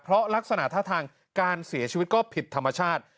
เพราะลักษณะท่าทางการเสียชีวิตก็ผิดธรรมชาติ